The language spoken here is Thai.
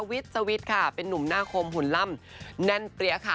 วิทย์สวิตช์ค่ะเป็นนุ่มหน้าคมหุ่นล่ำแน่นเปรี้ยค่ะ